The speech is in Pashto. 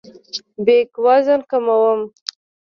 بیک وزن کوم.